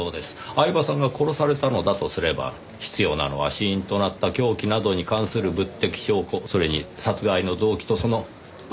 饗庭さんが殺されたのだとすれば必要なのは死因となった凶器などに関する物的証拠それに殺害の動機とその裏付けです。